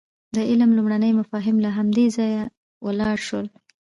د علم لومړني مفاهیم له همدې ځایه راولاړ شول.